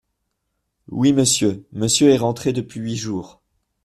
Oui, Monsieur, Monsieur est rentré depuis huit jours.